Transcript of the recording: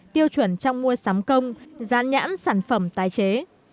tiêu chuẩn trong mua sắm công dán nhãn sản phẩm tái chế